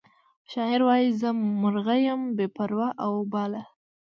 شاعر وایی زه مرغه یم بې پر او باله